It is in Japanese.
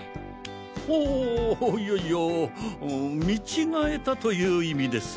おおいやいや見違えたという意味です